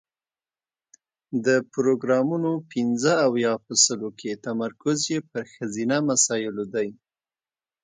د پروګرامونو پنځه اویا په سلو کې تمرکز یې پر ښځینه مسایلو دی.